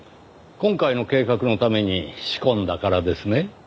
今回の計画のために仕込んだからですね。